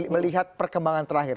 melihat perkembangan terakhir